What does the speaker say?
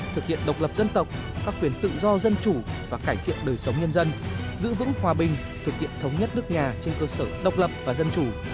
thực hiện độc lập dân tộc các quyền tự do dân chủ và cải thiện đời sống nhân dân giữ vững hòa bình thực hiện thống nhất nước nhà trên cơ sở độc lập và dân chủ